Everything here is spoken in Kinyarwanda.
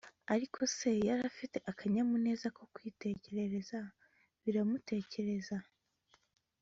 ariko se yari afite akanyamuneza ko kwinezeza, biramutekereza